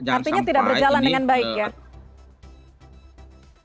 artinya tidak berjalan dengan baik ya